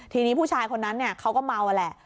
ทีนี้ผู้ชายคนนั้นเขาก็เมาแหละ